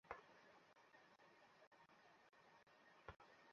দূরে রুমানা দুই হাত বাড়িয়ে ক্ষমার ভঙ্গিতে তার দিকে তাকিয়ে আছে।